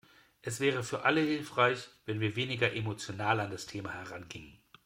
Es wäre für alle hilfreich, wenn wir weniger emotional an das Thema herangingen.